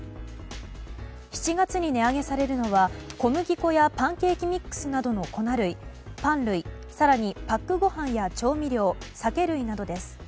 ７月に値上げされるのは小麦粉やパンケーキミックスなどの粉類パン類、更にパックご飯や調味料酒類などです。